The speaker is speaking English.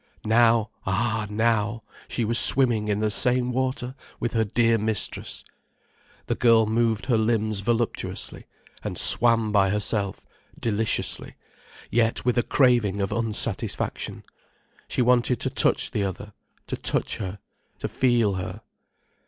Now, ah now, she was swimming in the same water with her dear mistress. The girl moved her limbs voluptuously, and swam by herself, deliciously, yet with a craving of unsatisfaction. She wanted to touch the other, to touch her, to feel her.